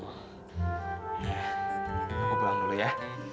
aku pulang dulu ya